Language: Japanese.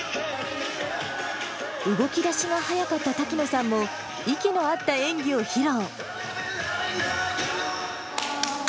動きだしが早かった滝野さんも、息の合った演技を披露。